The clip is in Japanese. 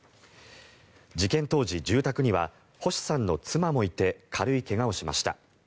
事件当時住宅には星さんの妻もいて軽い怪我をしました。